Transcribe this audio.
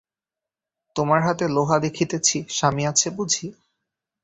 তোমার হাতে লোহা দেখিতেছি, স্বামী আছে বুঝি?